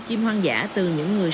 chim hoang dã từ những người